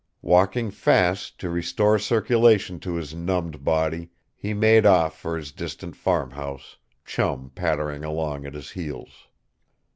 Walking fast to restore circulation to his numbed body he made off for his distant farmhouse, Chum pattering along at his heels.